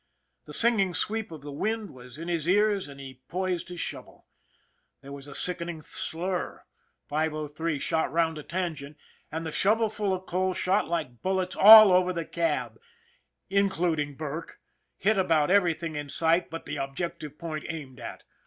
The singing sweep of the wind was in his ears as he poised his shovel. There was a sick ening slur. 503 shot round a tangent and the shovel ful of coal shot like bullets all over the cab, and, in cluding Burke, hit about everything in sight but the objective point aimed at.